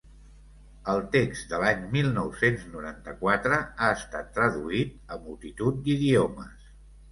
El text de l’any mil nou-cents noranta-quatre ha estat traduït a multitud d’idiomes.